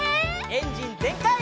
エンジンぜんかい！